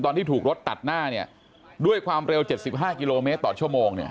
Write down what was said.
ตอนที่ถูกรถตัดหน้าด้วยความเร็ว๗๕กิโลเมตรต่อชั่วโมง